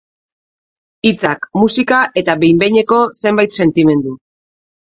Hitzak, musika eta behin-behineko zenbait sentimendu.